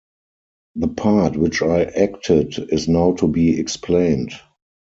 The part which I acted is now to be explained.